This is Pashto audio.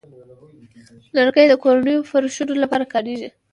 لرګی د کورونو فرشونو لپاره کاریږي.